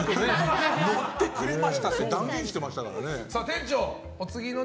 乗ってくれました！って断言してましたからね。